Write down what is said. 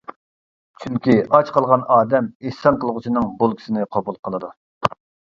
چۈنكى ئاچ قالغان ئادەم ئېھسان قىلغۇچىنىڭ بولكىسىنى قوبۇل قىلىدۇ.